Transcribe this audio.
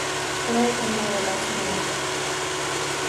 خدای ته مو لاسونه لپه کړل.